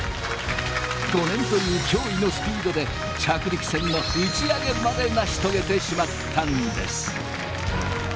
５年という驚異のスピードで着陸船の打ち上げまで成し遂げてしまったんです。